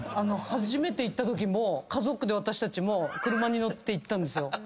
初めて行ったときも家族で私たちも車に乗って行ったんですよ